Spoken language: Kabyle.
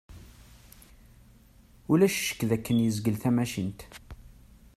Ulac ccekk d akken yezgel tamacint.